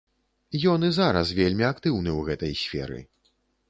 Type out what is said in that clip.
Ён і зараз вельмі актыўны ў гэтай сферы.